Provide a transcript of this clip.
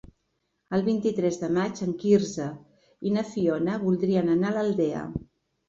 El vint-i-tres de maig en Quirze i na Fiona voldrien anar a l'Aldea.